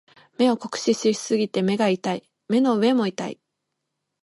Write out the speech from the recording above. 目を酷使しすぎて目が痛い。目の上も痛い。